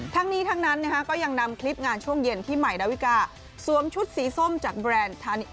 ทั้งนี้ทั้งนั้นก็ยังนำคลิปงานช่วงเย็นที่ใหม่ดาวิกาสวมชุดสีส้มจากแบรนด์